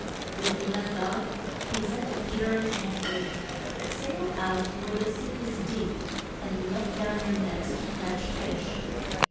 When he left off, he said to Pe ter and An drew, Sail out where the sea is deep, and let down your nets to catch fish.